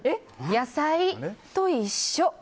野菜と一緒。